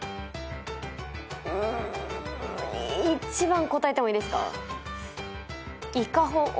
１番答えてもいいですか？